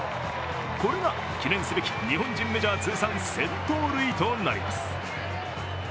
これが記念すべき日本人メジャー通算１０００盗塁となります。